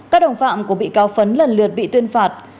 các đồng phạm của bị cáo phấn lần lượt bị tuyên phạt